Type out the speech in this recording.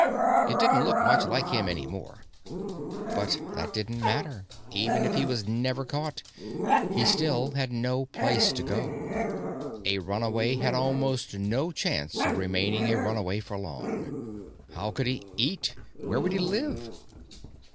It didn't look much like him any more. But that didn't matter; even if he was never caught, he still had no place to go. A runaway had almost no chance of remaining a runaway for long. How would he eat? Where would he live?